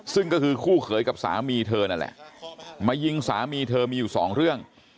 ซึ่งก็คือคู่เขยกับสามีเธอนั่นแหละมายิงสามีเธอมีอยู่สองเรื่อง